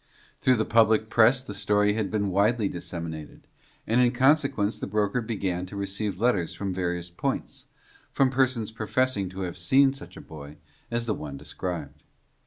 Through the public press the story had been widely disseminated, and in consequence the broker began to receive letters from various points, from persons professing to have seen such a boy as the one described.